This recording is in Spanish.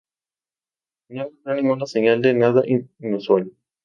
No encontró ninguna señal de nada inusual.